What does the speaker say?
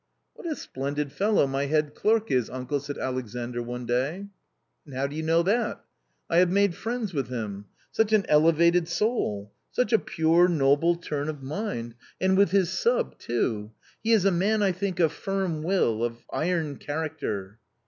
" What a splendid fellow my head clerk is, uncle !" said Alexandr one day. " And how do you know that ?"" I have made friends with him. Such an elevated soul, such a pure noble turn of mind! and with his sub too; he is a man, I think, of firm will, of iron character."